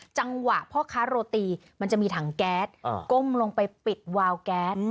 จังหวะพ่อค้าโรตีมันจะมีถังแก๊สก้มลงไปปิดวาวแก๊ส